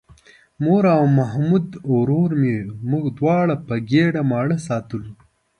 مور او محمود ورور مې موږ دواړه په ګېډه ماړه ساتلو.